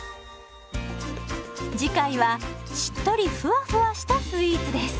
次回はしっとりふわふわしたスイーツです。